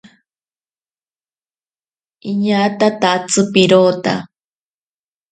Iñatatatsi pirota.